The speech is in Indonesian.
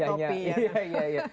yang pakai topi ya